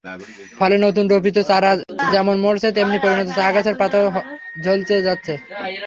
ফলে নতুন রোপিত চারা যেমন মরছে, তেমনি পরিণত চা-গাছের পাতাও ঝলসে যাচ্ছে।